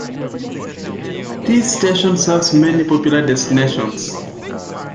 This station serves many popular destinations.